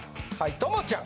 朋ちゃん